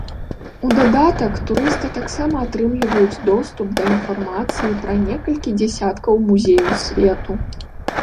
У дадатак турысты таксама атрымліваюць доступ да інфармацыі пра некалькі дзесяткаў музеяў свету.